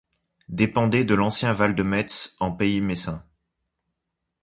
Dépendait de l'ancien Val de Metz en Pays Messin.